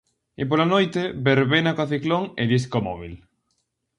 E pola noite, verbena coa Ciclón e disco móbil.